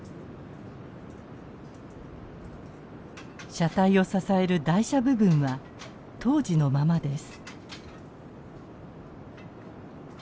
車体を支える台車部分は当時のままです。